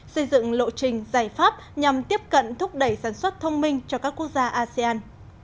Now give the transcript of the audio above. xây dựng lộ trình giải pháp nhằm tiếp cận thúc đẩy sản xuất thông minh cho các quốc gia asean